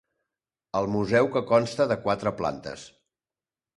El museu que consta de quatre plantes.